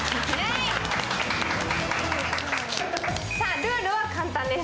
ルールは簡単です。